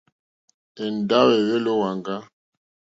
Èndáwò èhwélì ó wàŋgá.